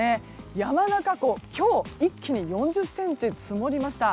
山中湖、今日一気に４０ｃｍ積もりました。